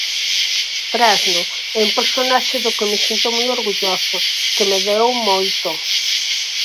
Trasno é un personaxe do que me sinto moi orgulloso, que me deu moito.